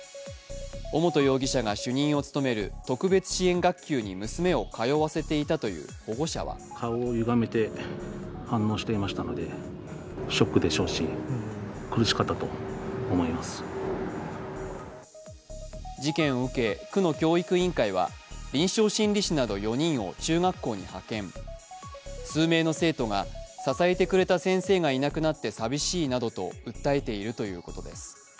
尾本容疑者が主任を務める特別支援学級に娘を通わせていたという保護者は事件を受け区の教育委員会は臨床心理士など４人を中学校に派遣数名の生徒が、支えてくれた先生がいなくなって寂しいなどと訴えているということです。